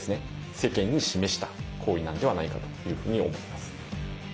世間に示した行為なのではないかというふうに思います。